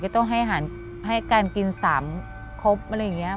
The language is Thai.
ก็ต้องให้การกิน๓ครบอะไรอย่างนี้ครับ